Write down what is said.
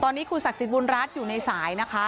ตอนนี้คุณศักดิ์สิทธิบุญรัฐอยู่ในสายนะคะ